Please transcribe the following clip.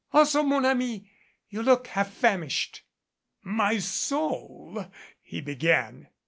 Also, mon ami, you look half famished." "My soul " he began.